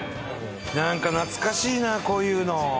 なんか懐かしいなこういうの。